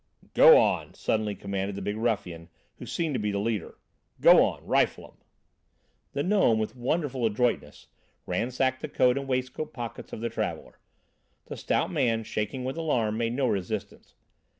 "Go on!" suddenly commanded the big ruffian, who seemed to be the leader. "Go on! rifle 'em!" The gnome, with wonderful adroitness, ransacked the coat and waistcoat pockets of the traveller. The stout man, shaking with alarm, made no resistance.